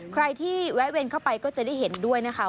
ใครที่แวะเวียนเข้าไปก็จะได้เห็นด้วยนะคะ